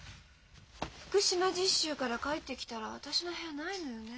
福島実習から帰ってきたら私の部屋ないのよね。